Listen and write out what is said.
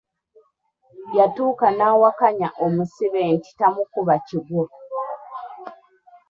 Yatuuka n'awakanya omusibe nti tamukuba kigwo.